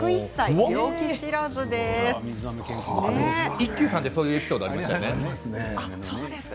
「一休さん」でそういうエピソードがありましたよね。